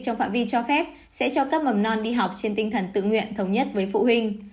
trong phạm vi cho phép sẽ cho các mầm non đi học trên tinh thần tự nguyện thống nhất với phụ huynh